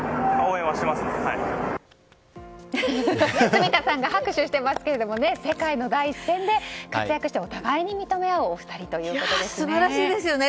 住田さんが拍手していますけど世界の第一線で活躍してお互いに認め合うお二人ですね。